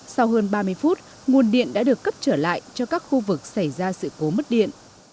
sau hơn ba mươi phút nguồn điện đã được cấp trở lại cho các khu vực xảy ra sự cố mất điện